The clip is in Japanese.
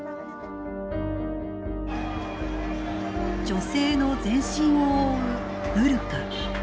女性の全身を覆うブルカ。